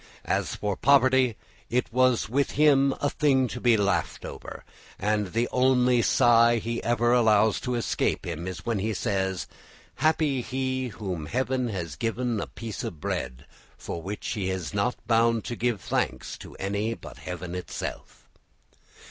As for poverty, it was with him a thing to be laughed over, and the only sigh he ever allows to escape him is when he says, "Happy he to whom Heaven has given a piece of bread for which he is not bound to give thanks to any but Heaven itself."